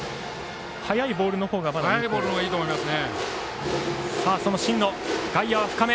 速いボールのほうがいいと思いますね。